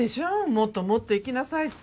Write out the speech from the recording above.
もっと持っていきなさいって。